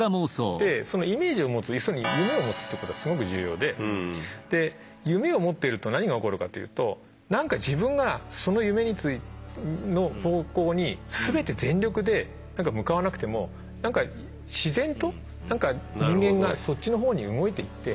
そのイメージを持つ要するに夢を持つってことがすごく重要で夢を持ってると何がおこるかというとなんか自分がその夢の方向に全て全力で向かわなくても自然となんか人間がそっちのほうに動いていって。